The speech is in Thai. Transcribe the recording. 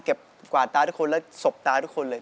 กวาดตาทุกคนแล้วสบตาทุกคนเลย